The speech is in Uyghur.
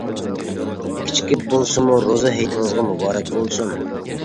كېچىكىپ بولسىمۇ روزا ھېيتىڭىزغا مۇبارەك بولسۇن!